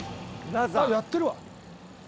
あっやってるわ。